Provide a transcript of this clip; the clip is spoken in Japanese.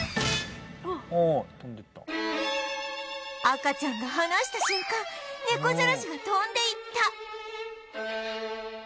赤ちゃんが離した瞬間猫じゃらしが飛んでいった！